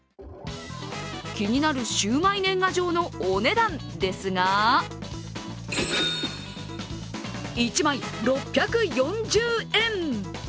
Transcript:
気になるシウマイ年賀状のお値段ですが１枚６４０円。